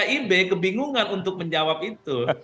nah di kib kebingungan untuk menjawab itu